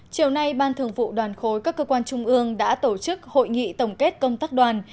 chiều nay ban thường vụ đoàn khối các cơ quan trung ương đã tổ chức hội nghị tổng kết công tác đoàn